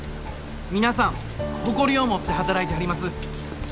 皆さん誇りを持って働いてはります。